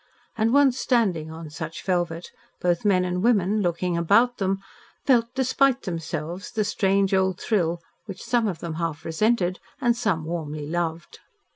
And once standing on such velvet, both men and women, looking about them, felt, despite themselves, the strange old thrill which some of them half resented and some warmly loved.